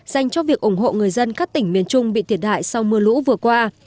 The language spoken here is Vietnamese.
dành cho việc ủng hộ người dân các tỉnh miền trung bị thiệt hại sau mưa lũ vừa qua